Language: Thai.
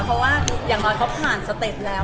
เพราะว่าอย่างน้อยเขาผ่านสเต็ปแล้ว